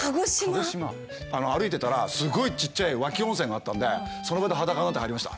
あの歩いてたらすごいちっちゃい湧き温泉があったんでその場で裸になって入りました。